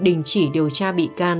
đình chỉ điều tra bị can